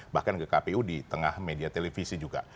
bahkan ke kpu di tengah media televisi juga